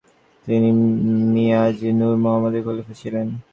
তিনি মিয়াজি নূর মুহাম্মদের খলিফা ছিলেন।